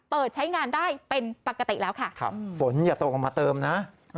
เปิดใช้งานได้เป็นปกติแล้วค่ะครับฝนอย่าตกลงมาเติมนะ